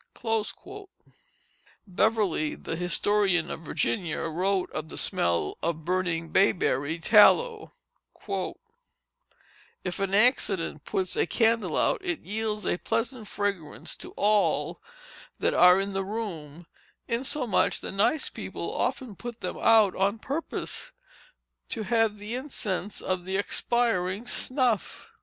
Beverley, the historian of Virginia, wrote of the smell of burning bayberry tallow: "If an accident puts a candle out, it yields a pleasant fragrancy to all that are in the room; insomuch that nice people often put them out on purpose to have the incense of the expiring snuff."